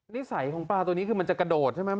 นิสัยของปลาตัวนี้คือมันจะกระโดดใช่ไหม